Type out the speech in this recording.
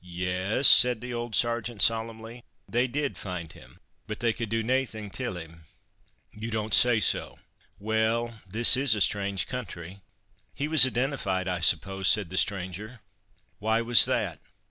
"Yes!" said the old Sergeant solemnly, "they did find him, but they could do naething till him." "You don't say so! Well, this is a strange country. He was identified, I suppose?" said the stranger. "Why was that?"